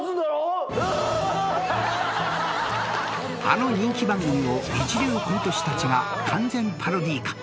［あの人気番組を一流コント師たちが完全パロディー化］